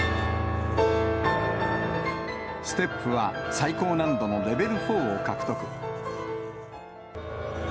ステップは最高難度のレベル４を獲得。